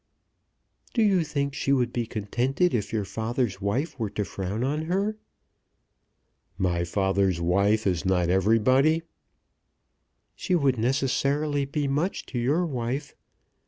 "Do you think she would be contented if your father's wife were to frown on her?" "My father's wife is not everybody." "She would necessarily be much to your wife.